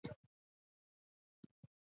د سیند په دې څنګ کې یو غر وو.